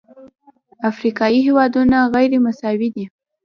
افریقایي هېوادونه غیرمساوي دي.